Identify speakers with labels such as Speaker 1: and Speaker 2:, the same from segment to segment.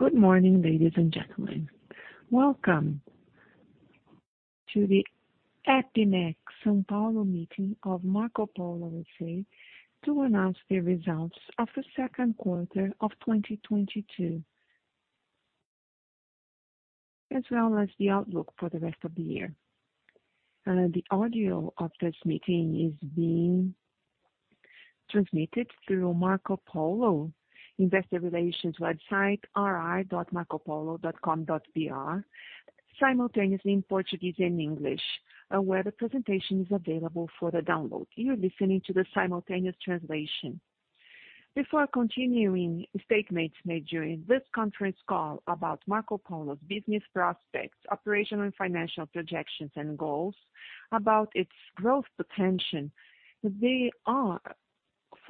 Speaker 1: Good morning, ladies and gentlemen. Welcome to the APIMEC São Paulo meeting of Marcopolo S.A. to announce the results of the second quarter of 2022, as well as the outlook for the rest of the year. The audio of this meeting is being transmitted through Marcopolo investor relations website, ir.marcopolo.com.br, simultaneously in Portuguese and English, where the presentation is available for the download. You're listening to the simultaneous translation. Before continuing, statements made during this conference call about Marcopolo's business prospects, operational and financial projections and goals about its growth potential. They are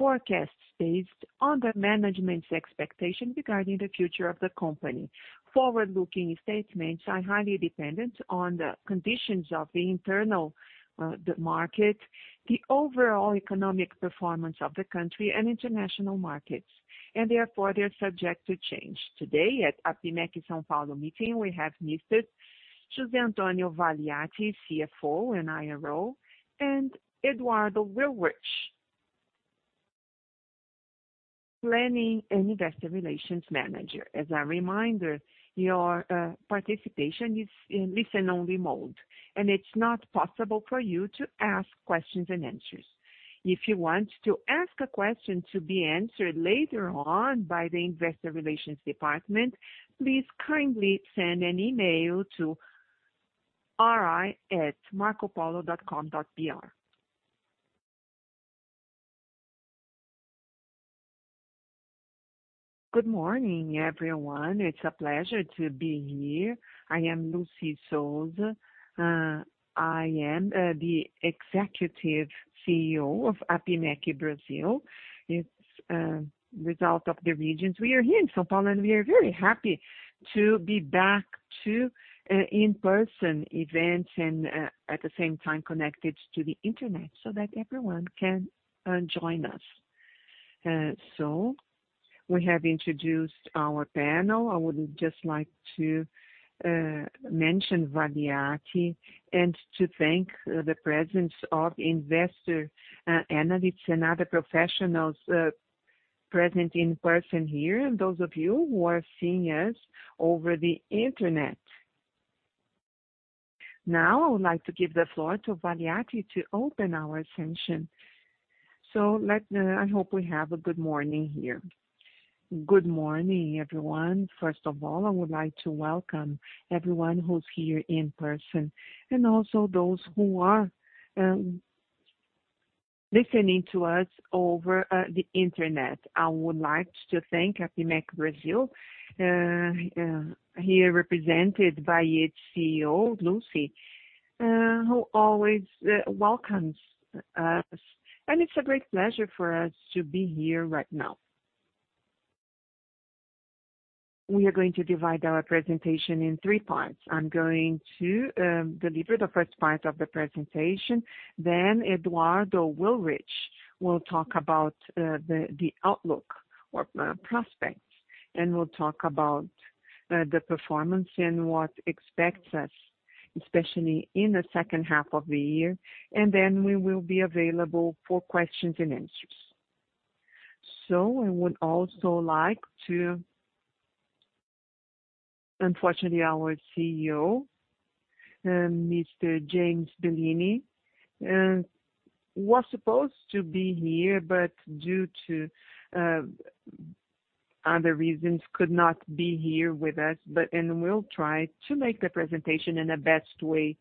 Speaker 1: forecasts based on the management's expectations regarding the future of the company. Forward-looking statements are highly dependent on the conditions of the internal and external market, the overall economic performance of the country and international markets, and therefore they are subject to change. Today at APIMEC São Paulo meeting, we have Mr. José Antonio Valiati, CFO and IRO, and Eduardo Willrich, Planning and Investor Relations Manager. As a reminder, your participation is in listen-only mode, and it's not possible for you to ask questions and answers. If you want to ask a question to be answered later on by the investor relations department, please kindly send an email to ir@marcopolo.com.br.
Speaker 2: Good morning, everyone. It's a pleasure to be here. I am Lucy Sousa. I am the Executive CEO of APIMEC Brasil. It's the result of the regions. We are here in São Paulo, and we are very happy to be back to in-person events and at the same time connected to the Internet so that everyone can join us. We have introduced our panel. I would just like to mention Valiati and to thank the presence of investors, analysts and other professionals present in person here, and those of you who are seeing us over the Internet. Now, I would like to give the floor to Valiati to open our session. I hope we have a good morning here.
Speaker 3: Good morning everyone. First of all, I would like to welcome everyone who's here in person and also those who are listening to us over the Internet. I would like to thank APIMEC Brasil, here represented by its CEO, Lucy Souza, who always welcomes us. It's a great pleasure for us to be here right now. We are going to divide our presentation in three parts. I'm going to deliver the first part of the presentation, then Eduardo Willrich will talk about the outlook or prospects, and we'll talk about the performance and what expects us, especially in the second half of the year. We will be available for questions and answers. I would also like to. Unfortunately, our CEO Mr. James Bellini, was supposed to be here, but due to other reasons could not be here with us. We'll try to make the presentation in the best way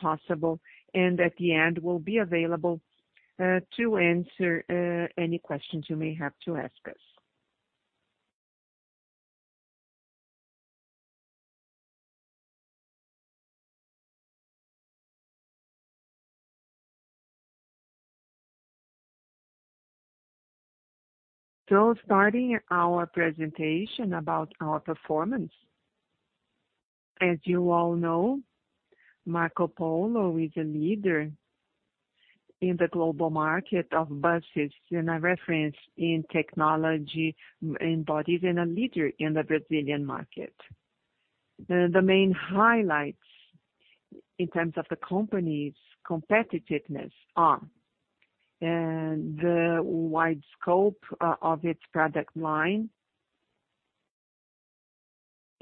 Speaker 3: possible, and at the end, we'll be available to answer any questions you may have to ask us. Starting our presentation about our performance. As you all know, Marcopolo is a leader in the global market of buses and a reference in technology in bodies and a leader in the Brazilian market. The main highlights in terms of the company's competitiveness are, and the wide scope of its product line,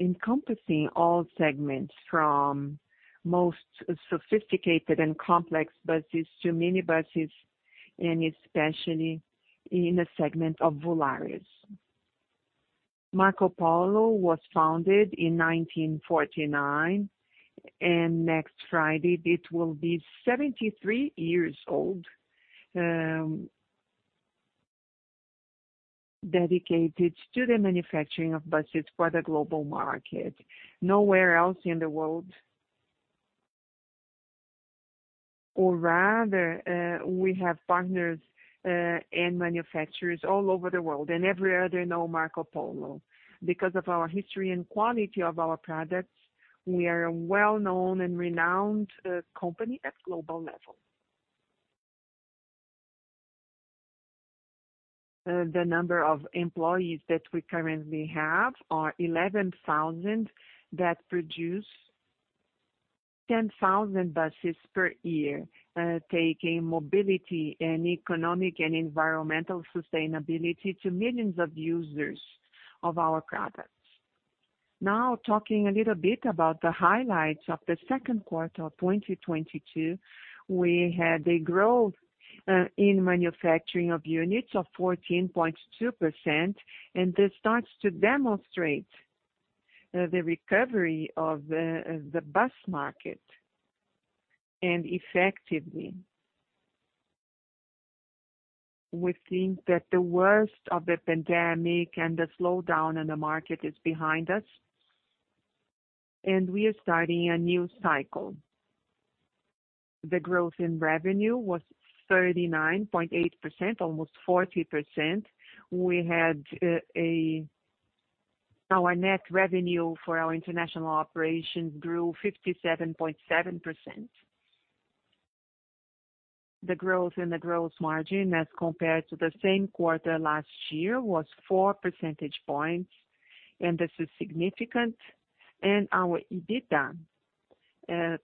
Speaker 3: encompassing all segments from most sophisticated and complex buses to minibuses, and especially in the segment of Volare. Marcopolo was founded in 1949, and next Friday, it will be 73 years old, dedicated to the manufacturing of buses for the global market. Nowhere else in the world. We have partners and manufacturers all over the world, and everywhere they know Marcopolo. Because of our history and quality of our products, we are a well-known and renowned company at global level. The number of employees that we currently have are 11,000 that produce 10,000 buses per year, taking mobility and economic and environmental sustainability to millions of users of our products. Now talking a little bit about the highlights of the second quarter of 2022. We had a growth in manufacturing of units of 14.2%, and this starts to demonstrate the recovery of the bus market. Effectively, we think that the worst of the pandemic and the slowdown in the market is behind us, and we are starting a new cycle. The growth in revenue was 39.8%, almost 40%. Our net revenue for our international operations grew 57.7%. The growth in the gross margin as compared to the same quarter last year was 4 percentage points, and this is significant. Our EBITDA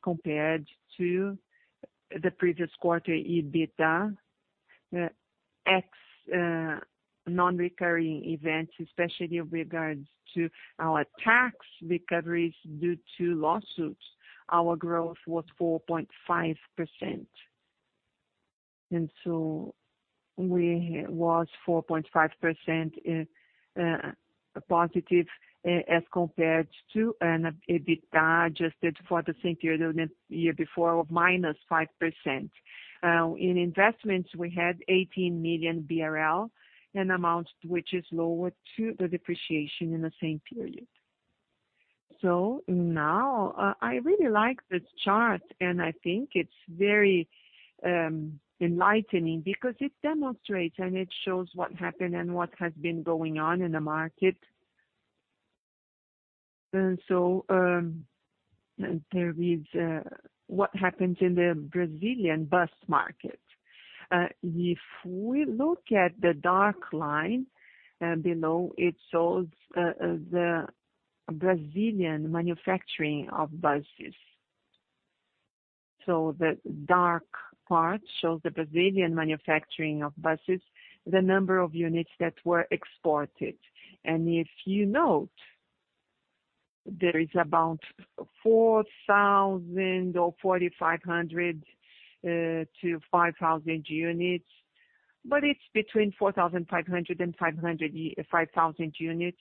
Speaker 3: compared to the previous quarter EBITDA ex non-recurring events, especially with regards to our tax recoveries due to lawsuits, our growth was 4.5%. It was 4.5% positive as compared to an EBITDA adjusted for the same period the year before of -5%. In investments, we had 18 million BRL, an amount which is lower than the depreciation in the same period. I really like this chart, and I think it's very enlightening because it demonstrates, and it shows what happened and what has been going on in the market. There is what happens in the Brazilian bus market. If we look at the dark line below, it shows the Brazilian manufacturing of buses. The dark part shows the Brazilian manufacturing of buses, the number of units that were exported. If you note, there is about 4,000 or 4,500 to 5,000 units, but it's between 4,500 and 5,000 units.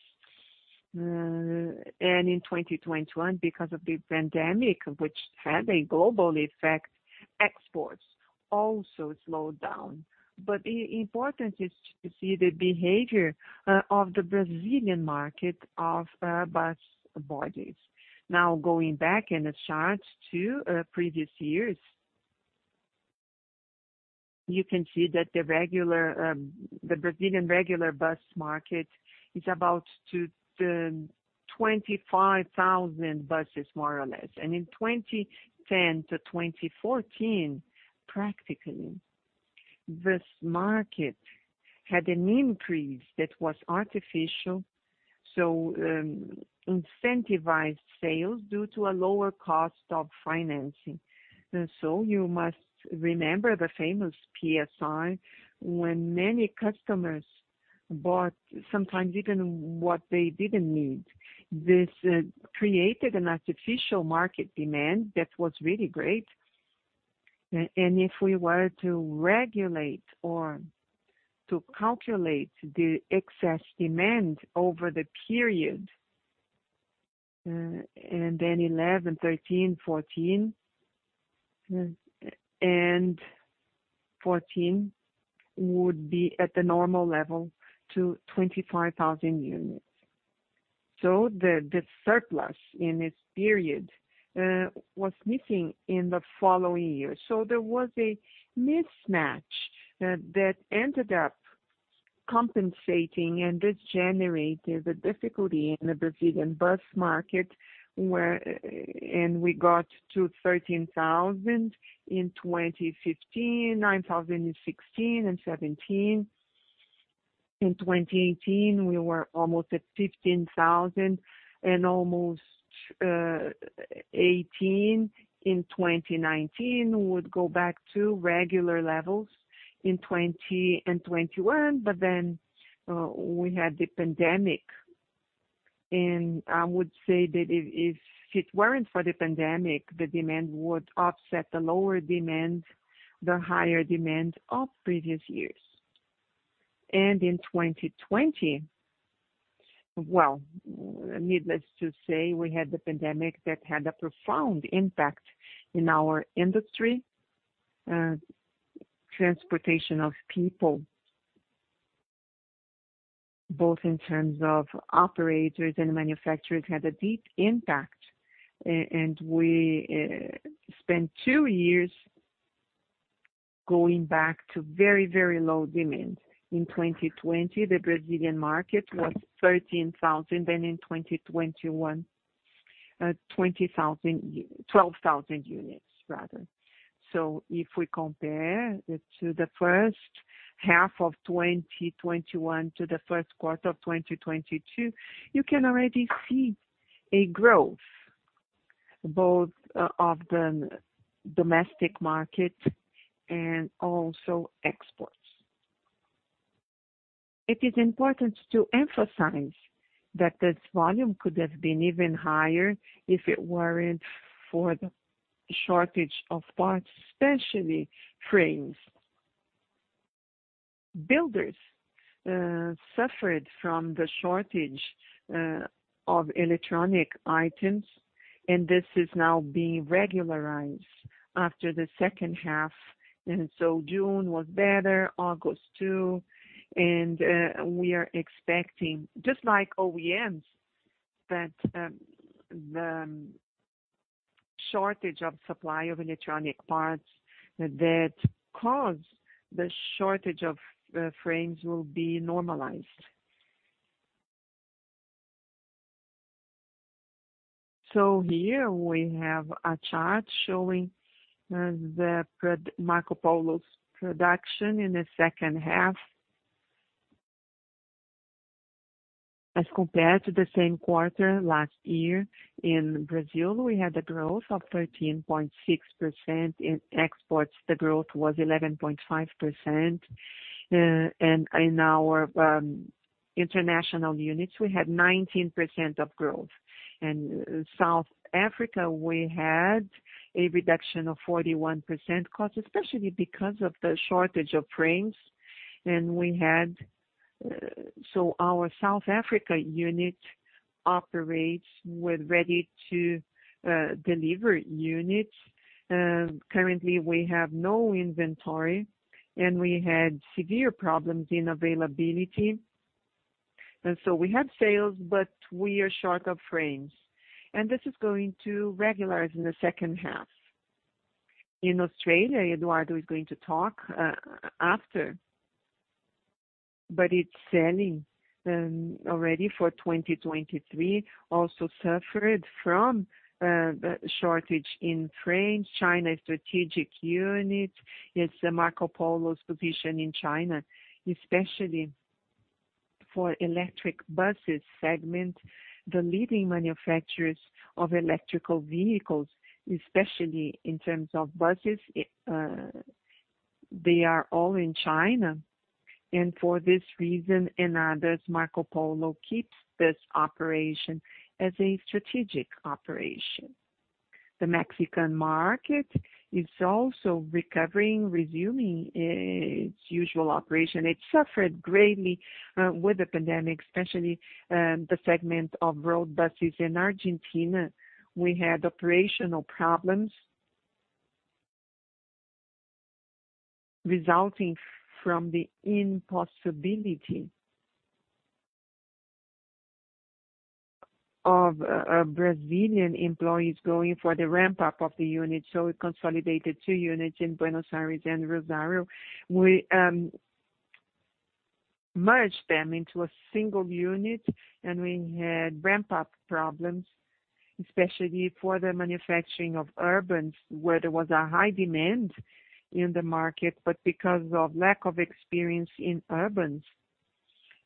Speaker 3: In 2021, because of the pandemic, which had a global effect, exports also slowed down. The important is to see the behavior of the Brazilian market of bus bodies. Now, going back in the chart to previous years. You can see that the regular Brazilian bus market is about 25,000 buses more or less. In 2010-2014, practically, this market had an increase that was artificial, so, incentivized sales due to a lower cost of financing. You must remember the famous PSI, when many customers bought sometimes even what they didn't need. This created an artificial market demand that was really great. If we were to regulate or to calculate the excess demand over the period, and then 2011, 2013, 2014. 2014 would be at the normal level to 25,000 units. The surplus in this period was missing in the following years. There was a mismatch that ended up compensating, and this generated the difficulty in the Brazilian bus market where we got to 13,000 in 2015, 9,000 in 2016 and 2017. In 2018, we were almost at 15,000 and almost eighteen. In 2019, we would go back to regular levels. In 2020 and 2021, we had the pandemic. I would say that if it weren't for the pandemic, the demand would offset the lower demand, the higher demand of previous years. In 2020, well, needless to say, we had the pandemic that had a profound impact in our industry. Transportation of people, both in terms of operators and manufacturers, had a deep impact. We spent two years going back to very, very low demand. In 2020, the Brazilian market was 13,000. In 2021, 12,000 units rather. If we compare it to the first half of 2021 to the first quarter of 2022, you can already see a growth, both of the domestic market and also exports. It is important to emphasize that this volume could have been even higher if it weren't for the shortage of parts, especially frames. Builders suffered from the shortage of electronic items, and this is now being regularized after the second half. June was better, August too, and we are expecting, just like OEMs, that the shortage of supply of electronic parts that caused the shortage of frames will be normalized. Here we have a chart showing Marcopolo's production in the second half. As compared to the same quarter last year, in Brazil we had a growth of 13.6%. In exports, the growth was 11.5%. In our international units, we had 19% of growth. In South Africa, we had a reduction of 41% cost, especially because of the shortage of frames. Our South Africa unit operates with ready to deliver units. Currently we have no inventory, and we had severe problems in availability. We have sales, but we are short of frames. This is going to regularize in the second half. In Australia, Eduardo is going to talk after, but it's selling already for 2023, also suffered from the shortage in frames. China strategic unit is the Marcopolo's division in China, especially for electric buses segment. The leading manufacturers of electric vehicles, especially in terms of buses, they are all in China. For this reason and others, Marcopolo keeps this operation as a strategic operation. The Mexican market is also recovering, resuming its usual operation. It suffered greatly with the pandemic, especially the segment of road buses. In Argentina, we had operational problems resulting from the impossibility of Brazilian employees going for the ramp-up of the unit. We consolidated two units in Buenos Aires and Rosario. We merged them into a single unit, and we had ramp-up problems, especially for the manufacturing of urbans, where there was a high demand in the market. Because of lack of experience in urbans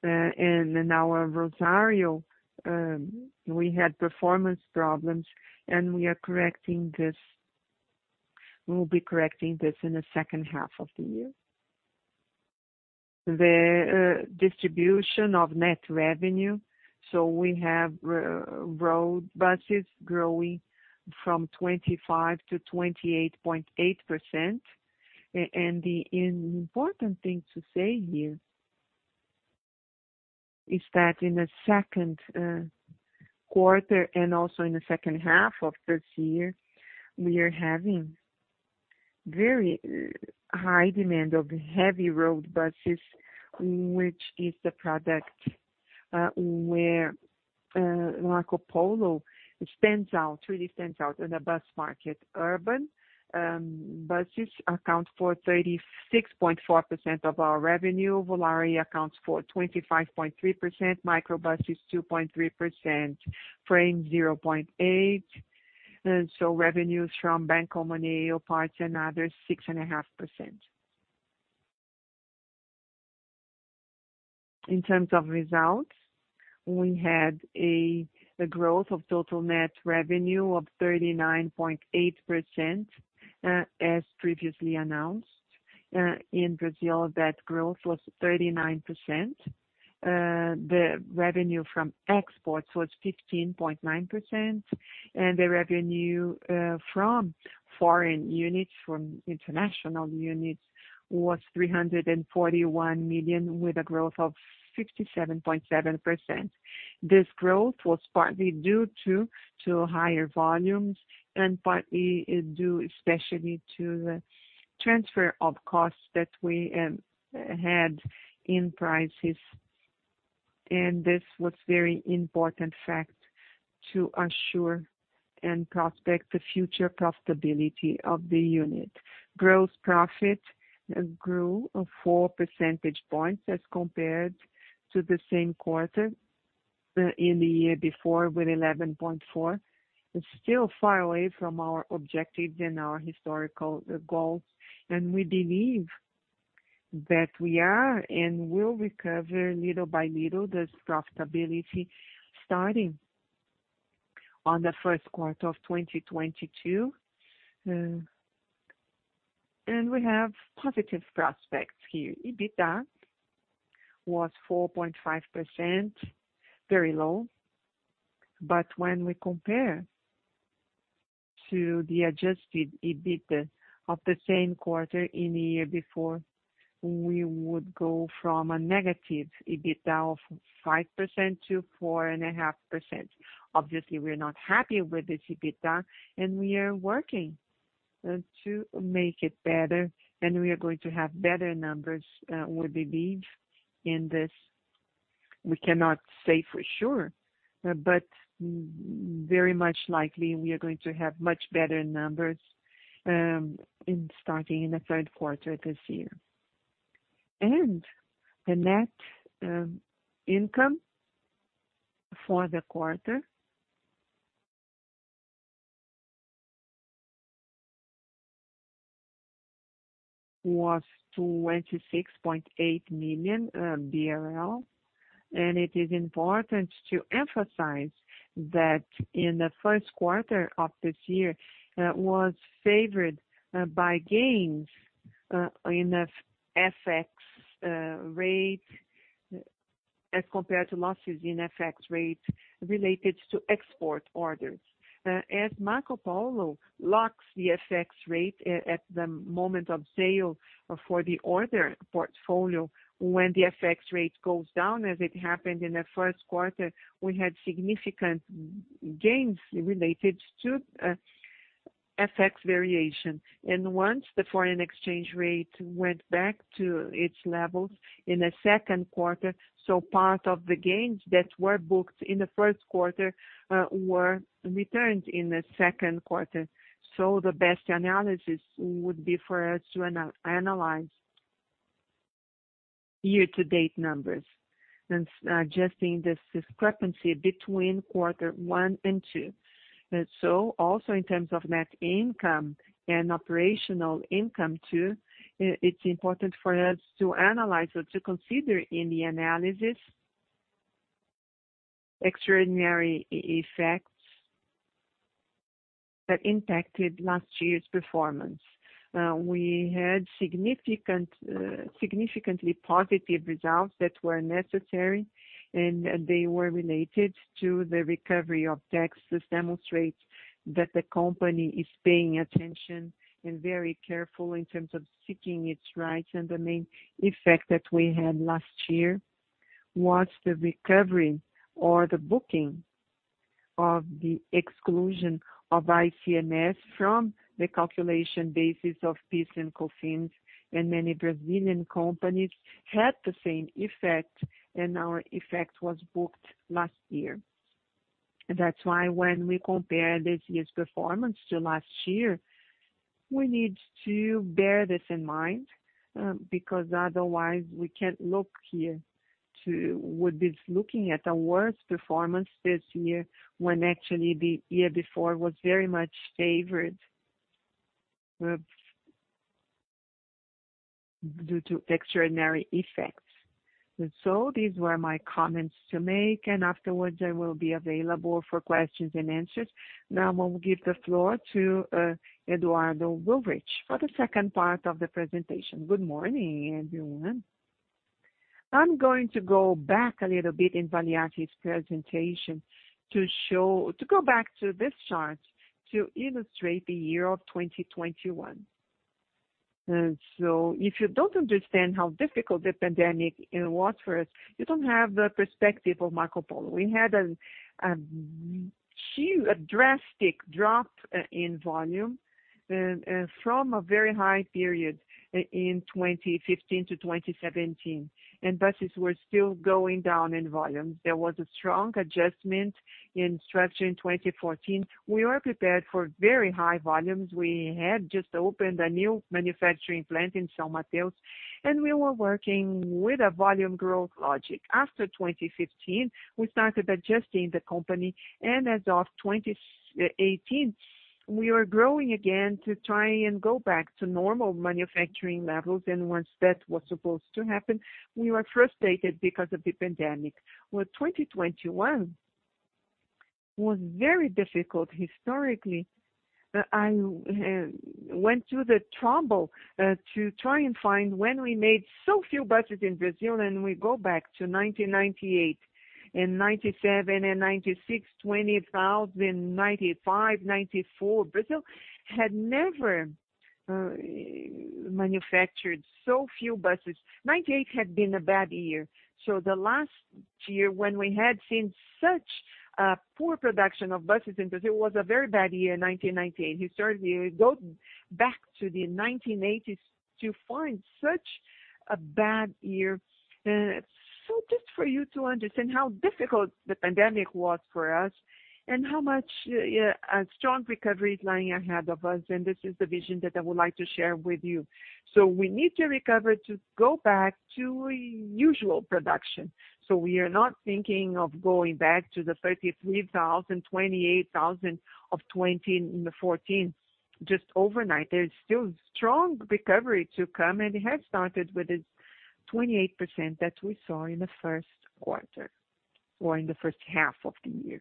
Speaker 3: in our Rosario, we had performance problems, and we are correcting this. We'll be correcting this in the second half of the year. The distribution of net revenue.
Speaker 4: We have road buses growing from 25%-28.8%. And the important thing to say here is that in the second quarter and also in the second half of this year, we are having very high demand of heavy road buses, which is the product where Marcopolo stands out, really stands out in the bus market. Urban buses account for 36.4% of our revenue. Volare accounts for 25.3%. Microbus is 2.3%. Frame, 0.8%. Revenues from Banco Moneo, parts, and others, 6.5%. In terms of results, we had a growth of total net revenue of 39.8%, as previously announced. In Brazil, that growth was 39%. The revenue from exports was 15.9%.
Speaker 3: The revenue from foreign units, from international units was 341 million, with a growth of 67.7%. This growth was partly due to higher volumes and partly due especially to the transfer of costs that we had in prices. This was very important fact to assure and prospect the future profitability of the unit. Gross profit grew 4 percentage points as compared to the same quarter in the year before with 11.4%. It's still far away from our objective and our historical goals. We believe that we are and will recover little by little this profitability starting on the first quarter of 2022. We have positive prospects here. EBITDA was 4.5%, very low. When we compare to the adjusted EBITDA of the same quarter in the year before, we would go from a negative EBITDA of 5% to 4.5%. Obviously, we're not happy with this EBITDA, and we are working to make it better, and we are going to have better numbers, we believe in this. We cannot say for sure, but very much likely we are going to have much better numbers, starting in the third quarter this year. The net income for the quarter was 26.8 million BRL. It is important to emphasize that in the first quarter of this year was favored by gains in FX rate as compared to losses in FX rate related to export orders. As Marcopolo locks the FX rate at the moment of sale for the order portfolio, when the FX rate goes down, as it happened in the first quarter, we had significant gains related to FX variation. Once the foreign exchange rate went back to its levels in the second quarter, part of the gains that were booked in the first quarter were returned in the second quarter. The best analysis would be for us to analyze year-to-date numbers and adjusting this discrepancy between quarter one and two. Also in terms of net income and operational income too, it's important for us to analyze or to consider in the analysis extraordinary effects that impacted last year's performance. We had significantly positive results that were necessary, and they were related to the recovery of taxes. Demonstrate that the company is paying attention and very careful in terms of seeking its rights. The main effect that we had last year was the recovery or the booking of the exclusion of ICMS from the calculation basis of PIS and COFINS, and many Brazilian companies had the same effect, and our effect was booked last year. That's why when we compare this year's performance to last year, we need to bear this in mind, because otherwise we would be looking at a worse performance this year, when actually the year before was very much favored, due to extraordinary effects. These were my comments to make, and afterwards, I will be available for questions and answers. Now I will give the floor to Eduardo Willrich for the second part of the presentation.
Speaker 4: Good morning everyone. I'm going to go back a little bit in Valiati's presentation to this chart to illustrate the year of 2021. If you don't understand how difficult the pandemic, you know, was for us, you don't have the perspective of Marcopolo. We had a drastic drop in volume from a very high period in 2015 to 2017, and buses were still going down in volume. There was a strong adjustment in structure in 2014. We were prepared for very high volumes. We had just opened a new manufacturing plant in São Mateus, and we were working with a volume growth logic. After 2015, we started adjusting the company, and as of 2018, we were growing again to try and go back to normal manufacturing levels. Once that was supposed to happen, we were frustrated because of the pandemic. Well, 2021 was very difficult historically. I went through the trouble to try and find when we made so few buses in Brazil, and we go back to 1998 and 1997 and 1996, 1995, 1994. Brazil had never manufactured so few buses. 1998 had been a bad year. The last year when we had seen such a poor production of buses in Brazil was a very bad year, 1998. Historically, go back to the 1980s to find such a bad year. Just for you to understand how difficult the pandemic was for us and how much a strong recovery is lying ahead of us, and this is the vision that I would like to share with you. We need to recover to go back to usual production. We are not thinking of going back to the 33,000, 28,000 of 2020 in the first just overnight. There is still strong recovery to come, and it has started with its 28% that we saw in the first quarter or in the first half of the year,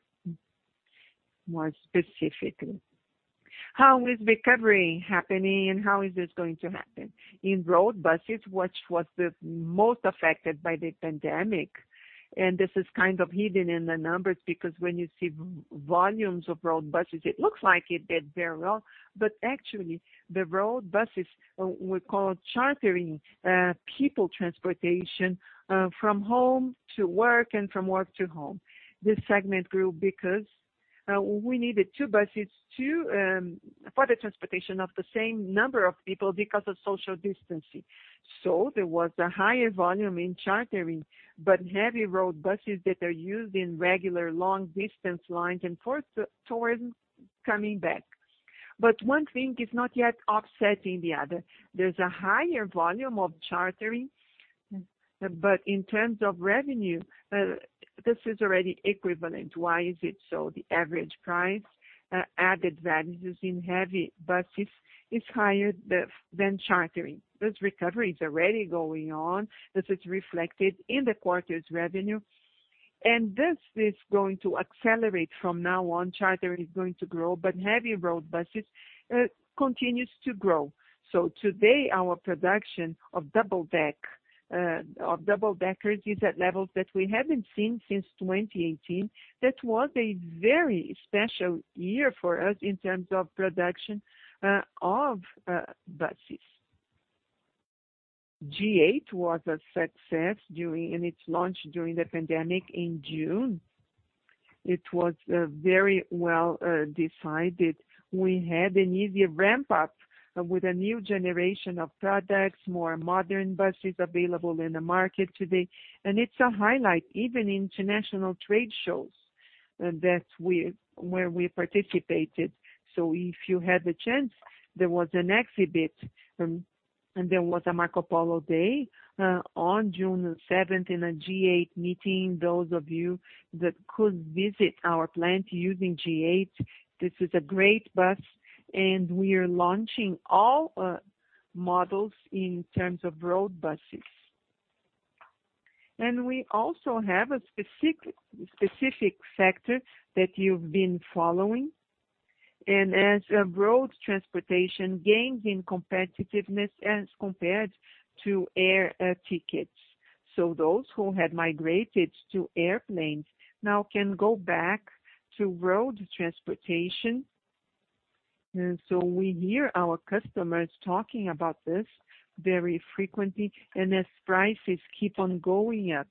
Speaker 4: more specifically. How is recovery happening, and how is this going to happen? In road buses, which was the most affected by the pandemic, and this is kind of hidden in the numbers because when you see volumes of road buses, it looks like it did very well. Actually, the road buses we call chartering people transportation from home to work and from work to home. This segment grew because we needed two buses for the transportation of the same number of people because of social distancing. There was a higher volume in chartering, but heavy road buses that are used in regular long distance lines and tourism coming back. One thing is not yet offsetting the other. There's a higher volume of chartering, but in terms of revenue, this is already equivalent. Why is it so? The average price, added values in heavy buses is higher than chartering. This recovery is already going on. This is reflected in the quarter's revenue, and this is going to accelerate from now on. Chartering is going to grow, but heavy road buses continues to grow. Today, our production of double-deckers is at levels that we haven't seen since 2018. That was a very special year for us in terms of production of buses. G8 was a success in its launch during the pandemic in June. It was very well decided. We had an easy ramp up with a new generation of products, more modern buses available in the market today, and it's a highlight, even international trade shows where we participated. If you had the chance, there was an exhibit, and there was a Marcopolo Day on June seventh in a G8 meeting. Those of you that could visit our plant using G8, this is a great bus, and we are launching all models in terms of road buses. We also have a specific factor that you've been following. As road transportation gains in competitiveness as compared to air tickets. Those who had migrated to airplanes now can go back to road transportation. We hear our customers talking about this very frequently. As prices keep on going up,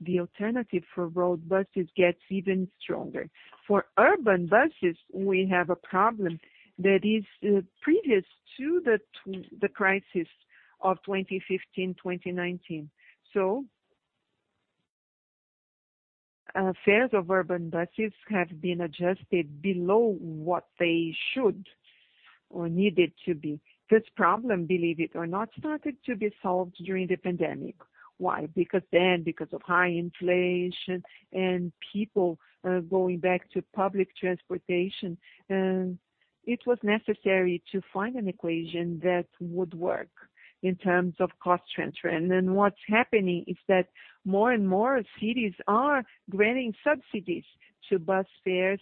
Speaker 4: the alternative for road buses gets even stronger. For urban buses, we have a problem that is previous to the crisis of 2015-2019. Fares of urban buses have been adjusted below what they should or needed to be. This problem, believe it or not, started to be solved during the pandemic. Why? Because then, because of high inflation and people going back to public transportation, it was necessary to find an equation that would work in terms of cost transfer. What's happening is that more and more cities are granting subsidies to bus fares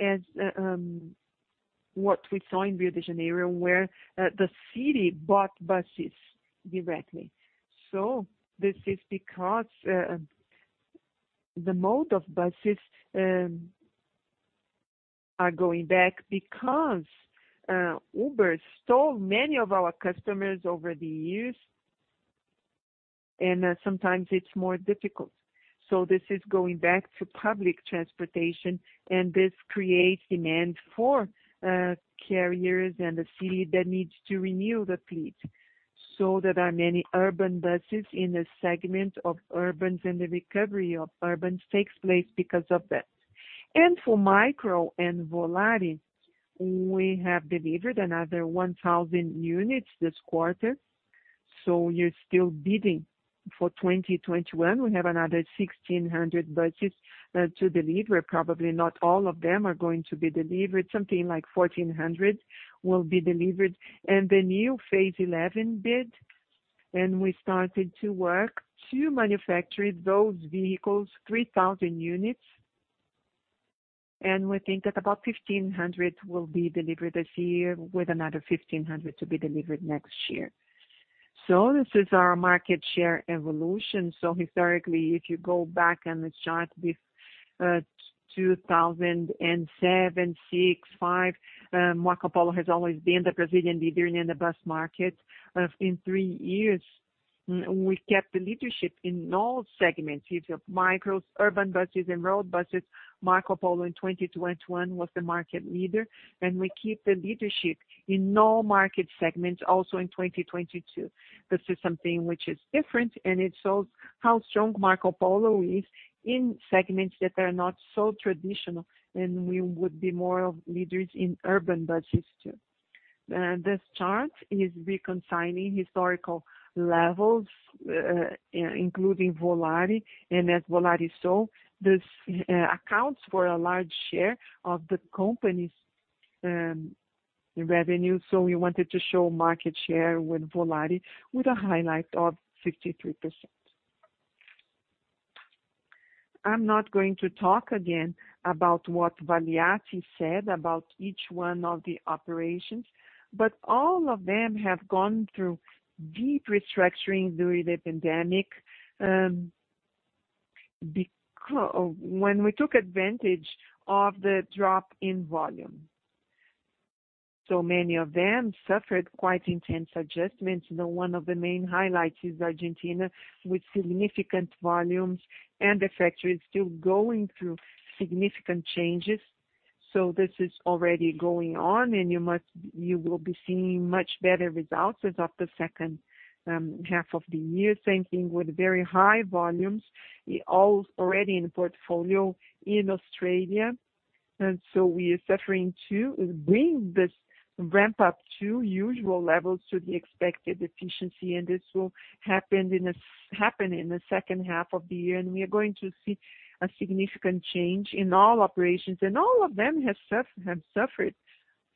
Speaker 4: as what we saw in Rio de Janeiro, where the city bought buses directly. This is because the mode of buses are going back because Uber stole many of our customers over the years, and sometimes it's more difficult. This is going back to public transportation, and this creates demand for carriers and the city that needs to renew the fleet. There are many urban buses in the segment of urbans, and the recovery of urbans takes place because of that. For Micro and Volare, we have delivered another 1,000 units this quarter. You're still bidding for 2021. We have another 1,600 buses to deliver. Probably not all of them are going to be delivered. Something like 1,400 will be delivered. The new phase XI bid, we started to work to manufacture those vehicles, 3,000 units. We think that about 1,500 will be delivered this year with another 1,500 to be delivered next year. This is our market share evolution. Historically, if you go back on the chart with 2007, 2006, 2005, Marcopolo has always been the Brazilian leader in the bus market. In three years we kept the leadership in all segments, either micros, urban buses and road buses. Marcopolo in 2021 was the market leader, and we keep the leadership in all market segments also in 2022. This is something which is different, and it shows how strong Marcopolo is in segments that are not so traditional, and we would be more leaders in urban buses too. This chart is representing historical levels, including Volare. As we saw, this accounts for a large share of the company's revenue. We wanted to show market share with Volare with a highlight of 53%. I'm not going to talk again about what Valiati said about each one of the operations, but all of them have gone through deep restructuring during the pandemic when we took advantage of the drop in volume. Many of them suffered quite intense adjustments. You know, one of the main highlights is Argentina, with significant volumes, and the factory is still going through significant changes. This is already going on, and you will be seeing much better results as of the second half of the year. Same thing with very high volumes, already in portfolio in Australia. We are struggling to bring this ramp up to usual levels, to the expected efficiency. This will happen in the second half of the year. We are going to see a significant change in all operations. All of them have suffered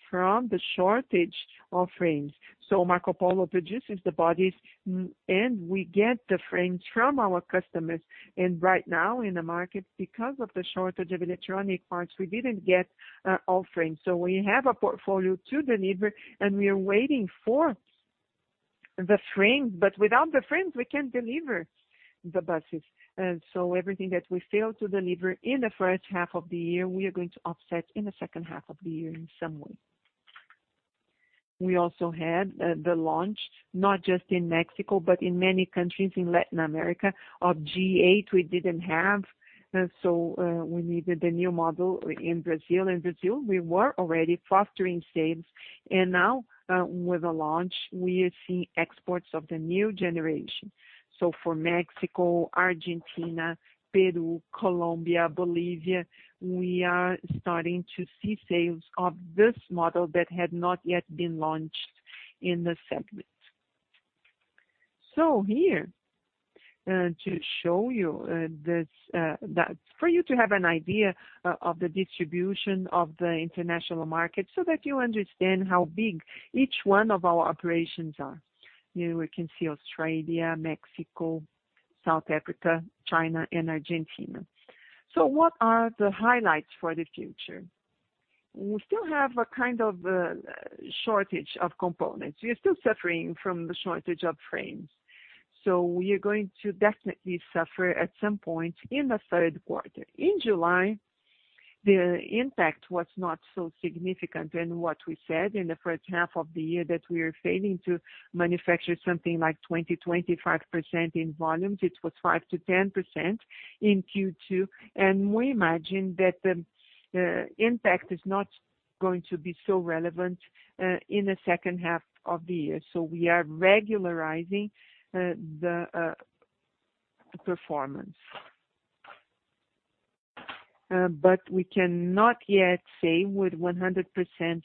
Speaker 4: from the shortage of frames. Marcopolo produces the bodies and we get the frames from our customers. Right now in the market, because of the shortage of electronic parts, we didn't get all frames. We have a portfolio to deliver and we are waiting for the frames, but without the frames, we can't deliver the buses. Everything that we failed to deliver in the first half of the year, we are going to offset in the second half of the year in some way. We also had the launch, not just in Mexico, but in many countries in Latin America. Of G8, we didn't have so we needed a new model in Brazil. In Brazil, we were already fostering sales. Now, with the launch, we are seeing exports of the new generation. For Mexico, Argentina, Peru, Colombia, Bolivia, we are starting to see sales of this model that had not yet been launched in the segment. Here, to show you this, for you to have an idea of the distribution of the international market, so that you understand how big each one of our operations are. Here we can see Australia, Mexico, South Africa, China and Argentina. What are the highlights for the future? We still have a kind of shortage of components. We are still suffering from the shortage of frames. We are going to definitely suffer at some point in the third quarter. In July, the impact was not so significant. What we said in the first half of the year, that we are failing to manufacture something like 20-25% in volumes. It was 5%-10% in Q2. We imagine that the impact is not going to be so relevant in the second half of the year. We are regularizing the performance. We cannot yet say with 100%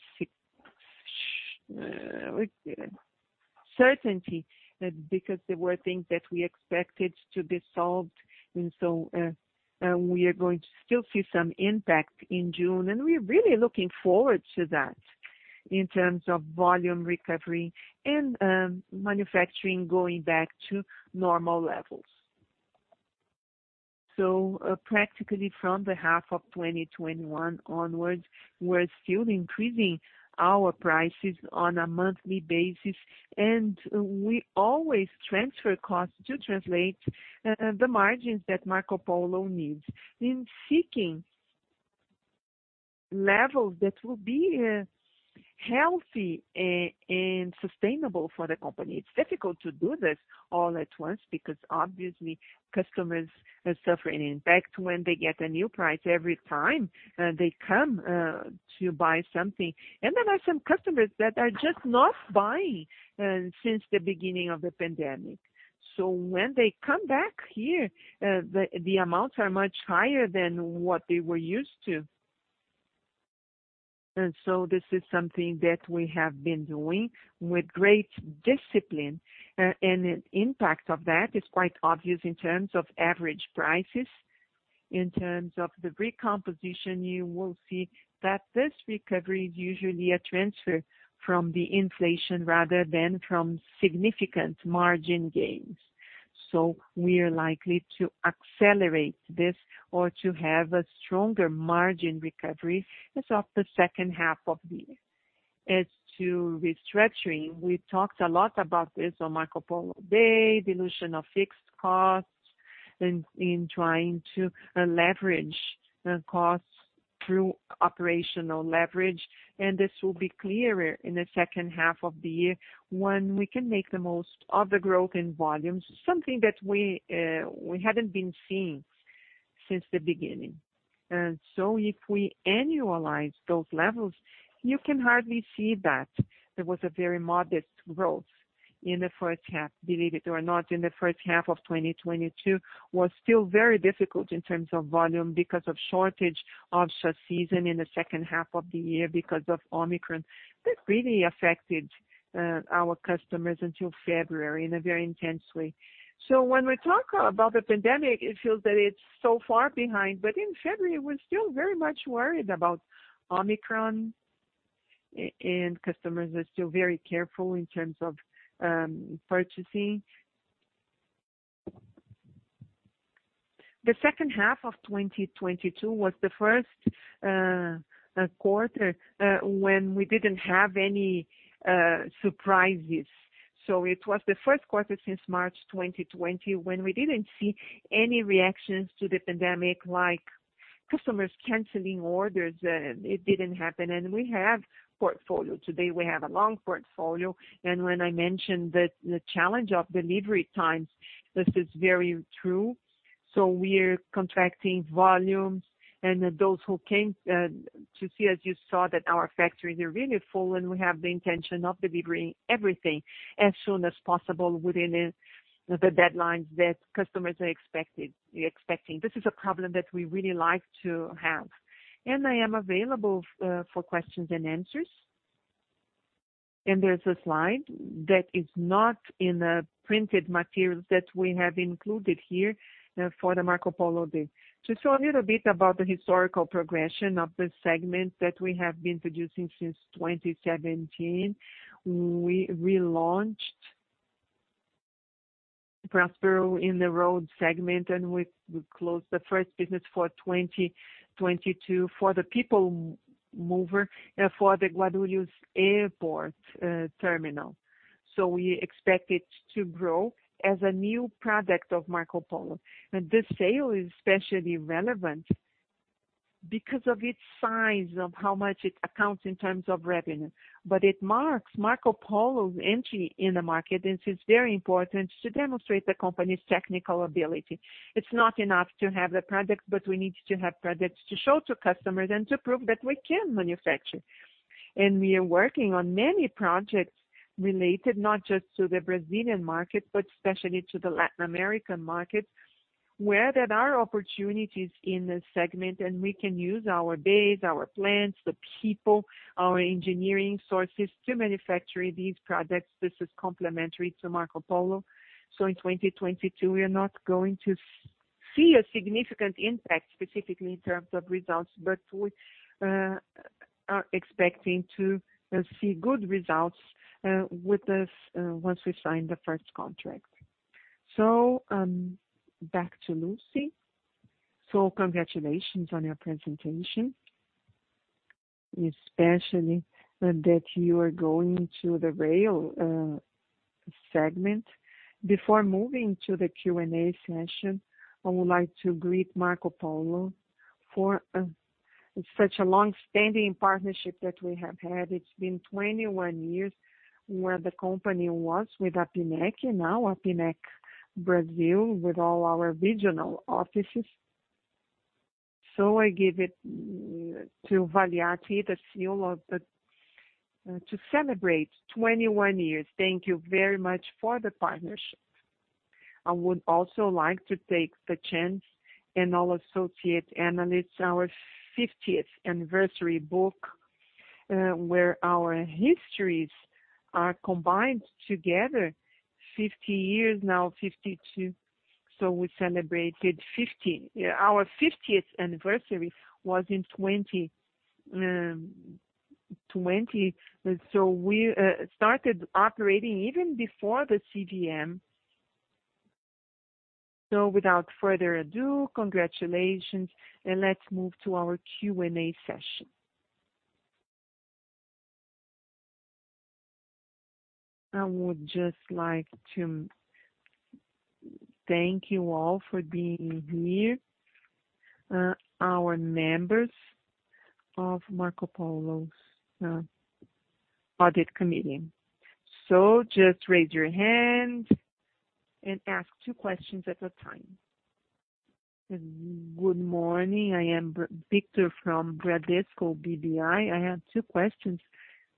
Speaker 4: certainty, because there were things that we expected to be solved. We are going to still see some impact in June, and we're really looking forward to that in terms of volume recovery and manufacturing going back to normal levels. Practically from the half of 2021 onwards, we're still increasing our prices on a monthly basis, and we always transfer costs to translate the margins that Marcopolo needs in seeking levels that will be healthy and sustainable for the company. It's difficult to do this all at once because obviously customers are suffering the impact when they get a new price every time they come to buy something. There are some customers that are just not buying since the beginning of the pandemic. When they come back here, the amounts are much higher than what they were used to. This is something that we have been doing with great discipline. The impact of that is quite obvious in terms of average prices. In terms of the recomposition, you will see that this recovery is usually a transfer from the inflation rather than from significant margin gains. We are likely to accelerate this or to have a stronger margin recovery as of the second half of the year. As to restructuring, we talked a lot about this on Marcopolo Day, dilution of fixed costs. In trying to leverage the costs through operational leverage. This will be clearer in the second half of the year when we can make the most of the growth in volumes, something that we haven't been seeing since the beginning. If we annualize those levels, you can hardly see that there was a very modest growth in the first half. Believe it or not, in the first half of 2022 was still very difficult in terms of volume because of shortage of semiconductors in the second half of the year because of Omicron. That really affected our customers until February in a very intense way. When we talk about the pandemic, it feels that it's so far behind. In February, we're still very much worried about Omicron, and customers are still very careful in terms of purchasing. The second half of 2022 was the first quarter when we didn't have any surprises. It was the first quarter since March 2020 when we didn't see any reactions to the pandemic, like customers canceling orders. It didn't happen. We have portfolio. Today we have a long portfolio. When I mentioned the challenge of delivery times, this is very true. We're contracting volumes. Those who came to see us, you saw that our factories are really full, and we have the intention of delivering everything as soon as possible within the deadlines that customers are expecting. This is a problem that we really like to have. I am available for questions and answers. There's a slide that is not in the printed materials that we have included here for the Marcopolo Day. To show a little bit about the historical progression of the segment that we have been producing since 2017. We relaunched Prosper in the road segment, and we closed the first business for 2022 for the People Mover for the Guarulhos Airport terminal. We expect it to grow as a new product of Marcopolo. This sale is especially relevant because of its size of how much it accounts in terms of revenue. It marks Marcopolo's entry in the market, and it's very important to demonstrate the company's technical ability. It's not enough to have the products, but we need to have products to show to customers and to prove that we can manufacture. We are working on many projects related not just to the Brazilian market, but especially to the Latin American market, where there are opportunities in this segment, and we can use our base, our plants, the people, our engineering sources to manufacture these products. This is complementary to Marcopolo. In 2022, we are not going to see a significant impact specifically in terms of results, but we are expecting to see good results with this once we sign the first contract. Back to Lucy.
Speaker 2: Congratulations on your presentation, especially that you are going to the rail segment. Before moving to the Q&A session, I would like to greet Marcopolo for such a long-standing partnership that we have had. It's been 21 years where the company was with APIMEC, now APIMEC Brasil, with all our regional offices. I give it to Valiati, the CFO and IRO, to celebrate 21 years.
Speaker 3: Thank you very much for the partnership. I would also like to take the chance to give all associate analysts our 50th anniversary book, where our histories are combined together 50 years now, 52. We celebrated 50. Yeah, our fiftieth anniversary was in 2020. We started operating even before the CVM. Without further ado, congratulations, and let's move to our Q&A session.
Speaker 2: I would just like to thank you all for being here. Our members of Marcopolo's audit committee. Just raise your hand and ask two questions at a time.
Speaker 5: Good morning. I am Victor from Bradesco BBI. I have two questions.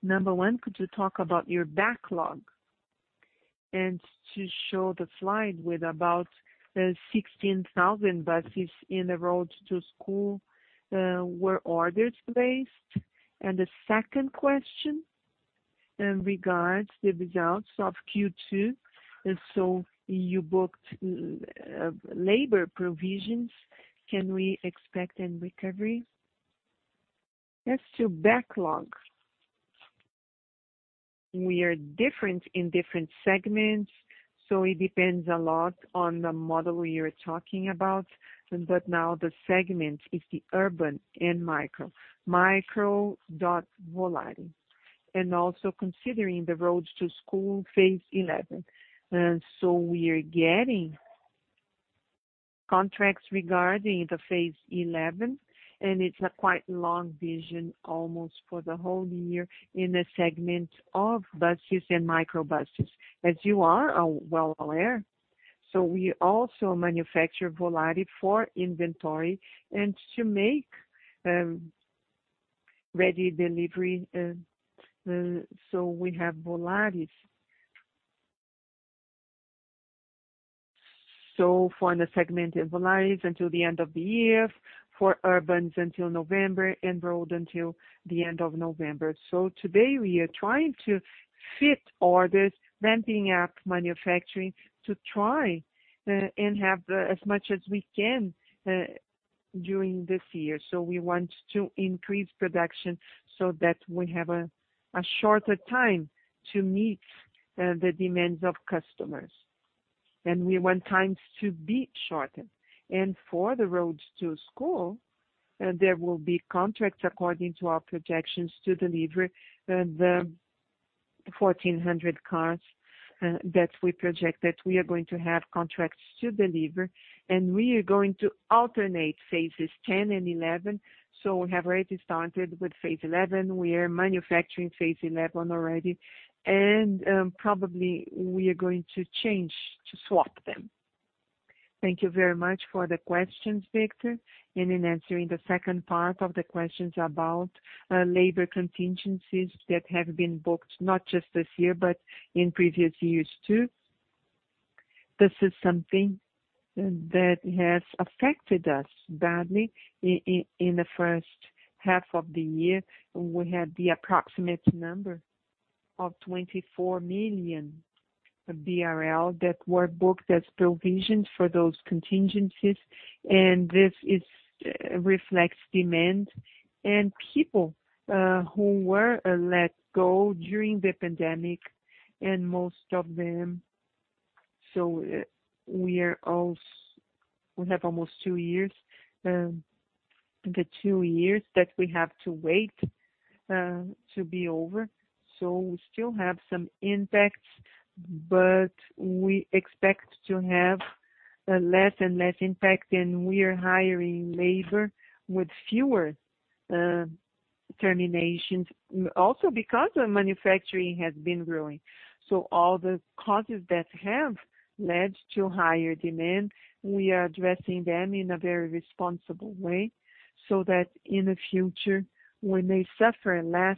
Speaker 5: Number one, could you talk about your backlog? To show the slide with about 16,000 buses in the Caminho da Escola, were orders placed. The second question in regards to the results of Q2. You booked labor provisions. Can we expect any recovery?
Speaker 3: As to backlog, we are different in different segments, so it depends a lot on the model you're talking about. Now the segment is the urban and micro. Micro, the Volare. Also considering the Caminho da Escola Phase Eleven. We are getting contracts regarding the Phase Eleven, and it's a quite long vision, almost for the whole year in the segment of buses and microbuses. As you are well aware. We also manufacture Volare for inventory and to make ready delivery, so we have Volares. For the segment of Volares until the end of the year, for urbans until November, and road until the end of November. Today we are trying to fit orders, ramping up manufacturing to try and have as much as we can during this year. We want to increase production so that we have a shorter time to meet the demands of customers. We want times to be shortened. For the Caminho da Escola, there will be contracts according to our projections to deliver the 1,400 cars that we projected. We are going to have contracts to deliver, and we are going to alternate Phases 10 and 11. We have already started with Phase 11. We are manufacturing Phase 11 already, and probably we are going to change to swap them. Thank you very much for the questions, Victor. In answering the second part of the questions about labor contingencies that have been booked not just this year, but in previous years too. This is something that has affected us badly in the first half of the year. We had the approximate number of 24 million BRL that were booked as provisions for those contingencies. This reflects demand and people who were let go during the pandemic, and most of them. We have almost two years, the two years that we have to wait to be over. We still have some impacts, but we expect to have less and less impact, and we are hiring labor with fewer terminations. Also because our manufacturing has been growing. All the causes that have led to higher demand, we are addressing them in a very responsible way so that in the future we may suffer less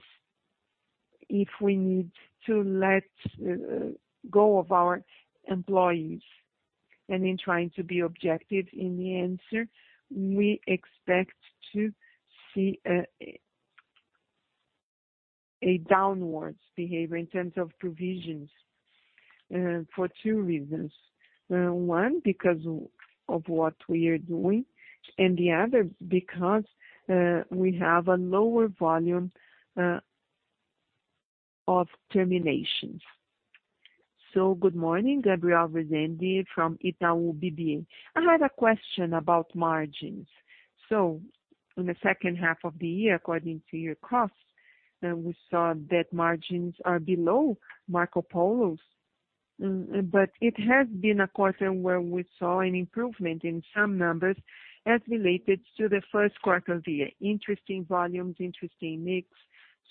Speaker 3: if we need to let go of our employees. In trying to be objective in the answer, we expect to see a downward behavior in terms of provisions for two reasons. One, because of what we are doing, and the other, because we have a lower volume of terminations.
Speaker 6: Good morning, Gabriel Rezende from Itaú BBA. I had a question about margins. In the second half of the year, according to your costs, we saw that margins are below Marcopolo's. It has been a quarter where we saw an improvement in some numbers as related to the first quarter of the year. Interesting volumes, interesting mix.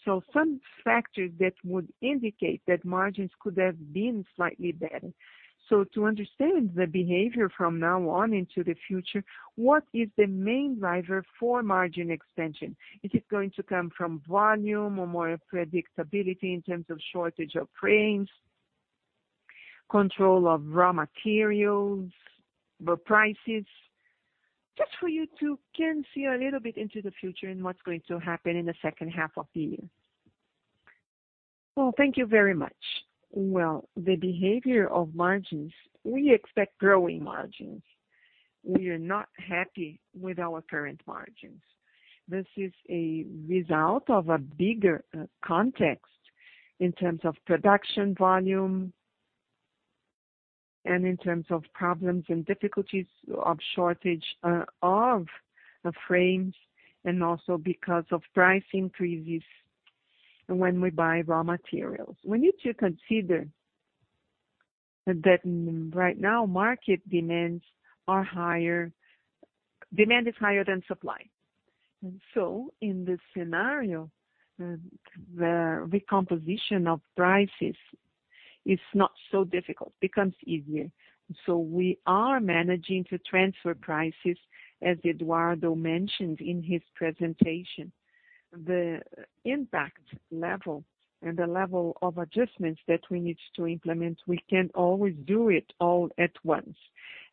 Speaker 6: Some factors that would indicate that margins could have been slightly better. To understand the behavior from now on into the future, what is the main driver for margin expansion? Is it going to come from volume or more predictability in terms of shortage of frames, control of raw materials, raw prices? Just so you can see a little bit into the future and what's going to happen in the second half of the year.
Speaker 3: Well, thank you very much. Well, the behavior of margins, we expect growing margins. We are not happy with our current margins. This is a result of a bigger context in terms of production volume and in terms of problems and difficulties of shortage of the frames, and also because of price increases when we buy raw materials. We need to consider that right now Demand is higher than supply. In this scenario, the recomposition of prices is not so difficult, becomes easier. We are managing to transfer prices, as Eduardo mentioned in his presentation. The impact level and the level of adjustments that we need to implement, we can always do it all at once,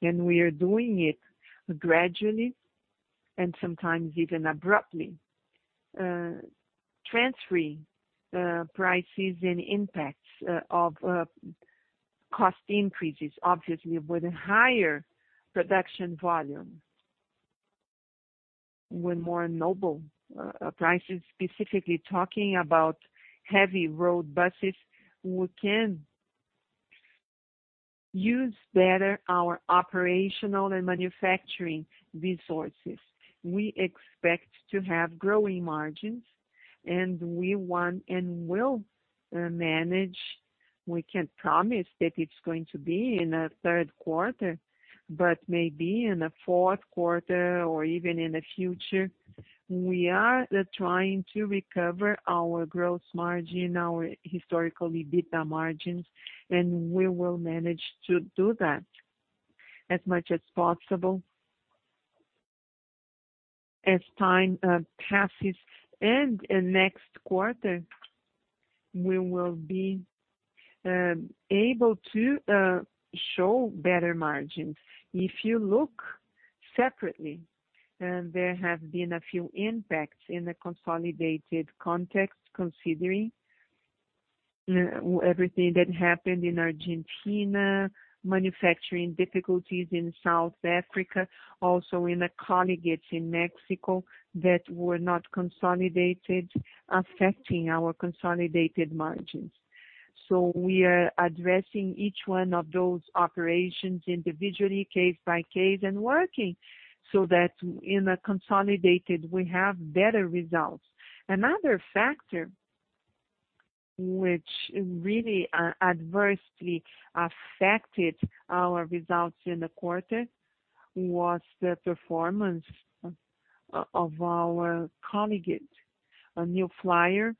Speaker 3: and we are doing it gradually and sometimes even abruptly. Transferring prices and impacts of cost increases, obviously with a higher production volume. With more noble prices, specifically talking about heavy road buses, we can use better our operational and manufacturing resources. We expect to have growing margins, and we want and will manage. We can't promise that it's going to be in the third quarter, but maybe in the fourth quarter or even in the future. We are trying to recover our gross margin, our historical EBITDA margins, and we will manage to do that as much as possible. As time passes and in next quarter, we will be able to show better margins. If you look separately, there have been a few impacts in the consolidated context considering everything that happened in Argentina, manufacturing difficulties in South Africa, also in the coligadas in Mexico that were not consolidated, affecting our consolidated margins. We are addressing each one of those operations individually, case by case, and working so that in a consolidated we have better results. Another factor which really adversely affected our results in the quarter was the performance of our coligada, New Flyer,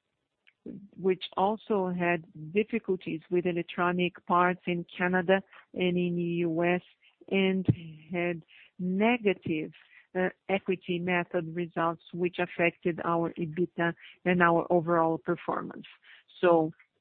Speaker 3: which also had difficulties with electronic parts in Canada and in the U.S., and had negative equity method results, which affected our EBITDA and our overall performance.